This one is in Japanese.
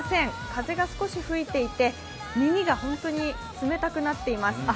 風が少し吹いていて、耳が本当に冷たくなっています。